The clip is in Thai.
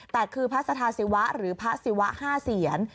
แต่คือพระสถาศิวะหรือพระศิวะ๕เสียน